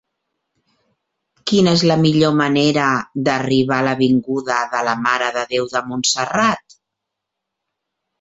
Quina és la millor manera d'arribar a l'avinguda de la Mare de Déu de Montserrat?